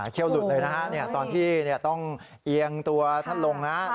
เครี่ยวลดเลยตอนที่ต้องเอียงตัวท่านลง